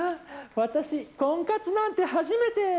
私、婚活なんて初めて。